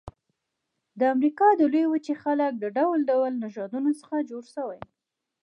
د امریکا د لویې وچې خلک د ډول ډول نژادونو څخه جوړ شوي.